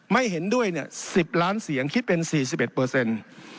ไม่เห็นด้วยเนี่ย๑๐ล้านเสียงคิดเป็น๔๑เปอร์เซ็นต์